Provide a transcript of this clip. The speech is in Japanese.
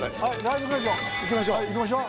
行きましょう。